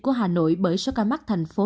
của hà nội bởi số ca mắc thành phố